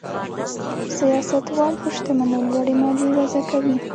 سیاستوال پر شتمنو لوړې مالیې وضع کوي.